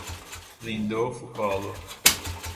Lindolfo Collor